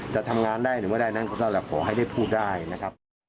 จะทำงานได้หรือไม่ได้นั้นก็นั่นแหละขอให้ได้พูดได้นะครับ